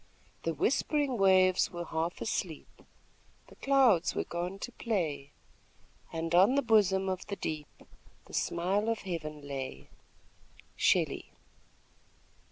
The whispering waves were half asleep The clouds were gone to play, And on the bosom of the deep The smile of heaven lay. Shelley.